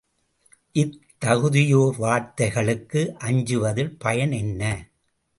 இத்தகுதியோர் வார்த்தைகளுக்கு அஞ்சுவதில் பயன் என்ன?